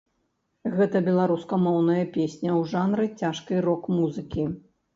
Гэта беларускамоўная песня ў жанры цяжкай рок-музыкі.